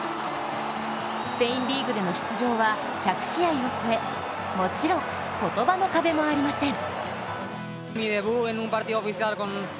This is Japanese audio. スペインリーグでの出場は１００試合を超え、もちろん言葉の壁もありません。